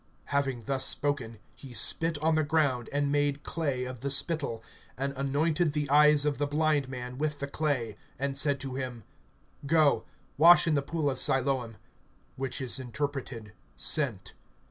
(6)Having thus spoken, he spit on the ground, and made clay of the spittle, and anointed the eyes of the blind man with the clay, (7)and said to him: Go, wash in the pool of Siloam (which is interpreted, Sent).